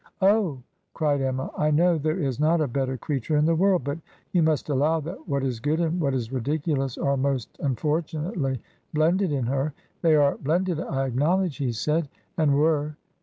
'Oh,' cried Emma, 'I know there is not a better creature in the world; but you must allow that what is good and what is ridiculous are most unfortimately blended in her.' 'They are blended, I acknowledge,' he said, ' and were